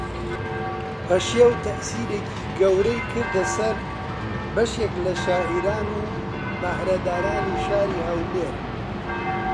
پەشێو تەئسیرێکی گەورەی کردە سەر بەشێک لە شاعیران و بەھرەدارانی شاری ھەولێر